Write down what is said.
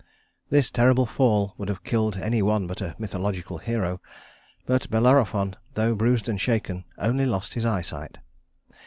This terrible fall would have killed any one but a mythological hero, but Bellerophon, though bruised and shaken, only lost his eyesight.